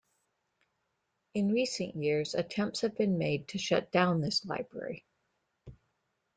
In recent years, attempts have been made to shut down this library.